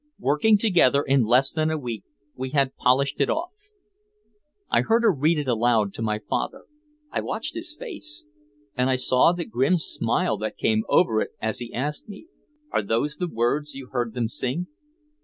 Working together, in less than a week we had polished it off. I heard her read it aloud to my father, I watched his face, and I saw the grim smile that came over it as he asked me, "Are those the words you heard them sing?"